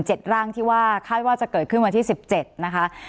เจ็ดร่างที่ว่าคาดว่าจะเกิดขึ้นวันที่๑๗นะคะ